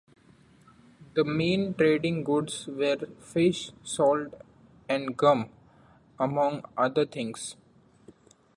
The main trading goods were fish, salt, and gum, among other things.